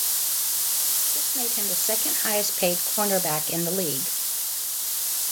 This made him the second-highest paid cornerback in the league.